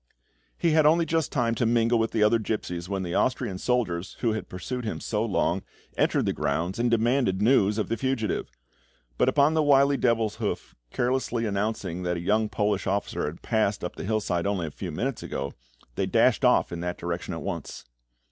He had only just time to mingle with the other gipsies when the Austrian soldiers, who had pursued him so long, entered the grounds, and demanded news of the fugitive; but upon the wily Devilshoof carelessly announcing that a young Polish officer had passed up the hillside only a few minutes ago, they dashed off in that direction at once.